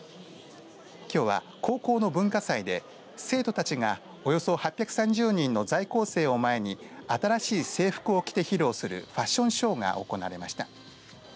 きょうは、高校の文化祭で生徒たちがおよそ８３０人の在校生を前に新しい制服を着て披露するファッションショーが行われました。